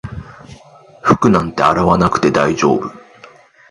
服なんて洗わなくて大丈夫